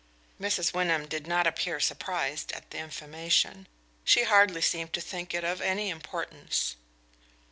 Mrs. Wyndham did not appear surprised at the information; she hardly seemed to think it of any importance.